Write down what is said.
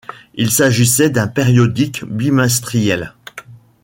Il s'agissait d'un périodique bimestriel.